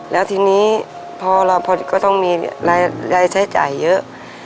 แล้วทีนี้พอเราก็ต้องมีรายใช้จ่ายเยอะ